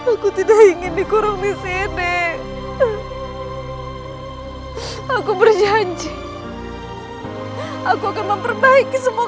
aku tidak ingin dikurung di sini aku berjanji aku akan memperbaiki semua